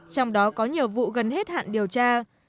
trong đó có nhiều vụ gần hết hạn điều tra